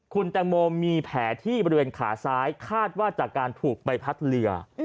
คุณแตงโมมีแผลที่บริเวณขาซ้ายคาดว่าจากการถูกใบพัดเรือ